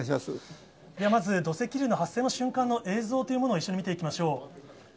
まず土石流の発生の瞬間の映像というものを、一緒に見ていきましょう。